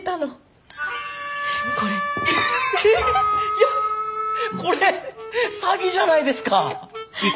いやこれ詐欺じゃないですか。